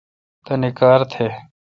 تانی کار تھ۔